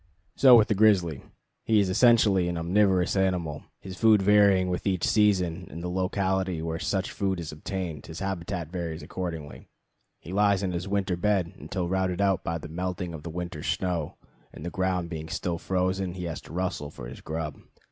So with the grizzly. He is essentially an omnivorous animal: his food varying with each season and the locality where such food is obtained, his habitat varies accordingly. He lies in his winter bed until routed out by the melting of the winter snow, and the ground being still frozen, he has to rustle for his grub.